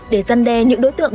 để giăn đe những đối tượng